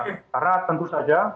karena tentu saja